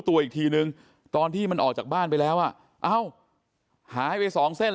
ตัวอีกทีนึงตอนที่มันออกจากบ้านไปแล้วอ่ะเอ้าหายไปสองเส้น